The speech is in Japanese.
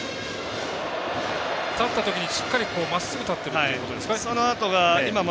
立ったときにまっすぐ立っているということですか。